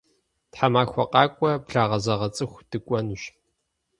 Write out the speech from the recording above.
Тхьэмахуэ къакӏуэ благъэзэгъэцӏыху дыкӏуэнущ.